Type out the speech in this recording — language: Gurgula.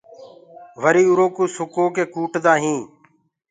وري اُرآ ڪوُ سُڪو ڪي ڪوُٽدآ هينٚ۔